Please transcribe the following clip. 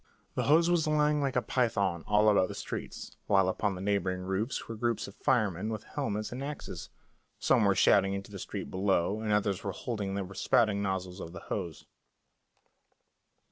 The hose was lying like a python all about the streets, while upon the neighbouring roofs were groups of firemen with helmets and axes; some were shouting into the street below, and others were holding the spouting nozzles of the hose.